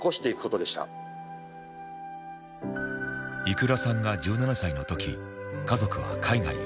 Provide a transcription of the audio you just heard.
いくらさんが１７歳の時家族は海外へ